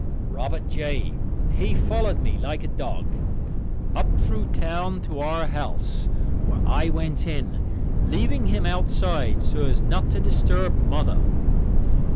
Robert J., he followed me like a dog, up through town to our house, where I went in, leaving him outside so as not to disturb mother.